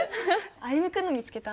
歩夢君の見つけた。